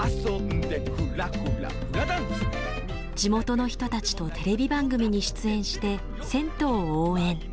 地元の人たちとテレビ番組に出演して銭湯を応援。